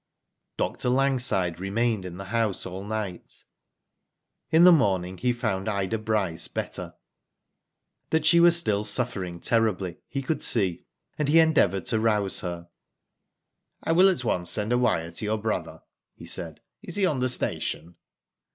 Dr. Langside remained in the house all night. In the morning, he found Ida Bryce better. That she was still suffering terribly he could see, and he endeavoured to rouse her. I will at once send a wire to your brother,'' he said. Is he on the station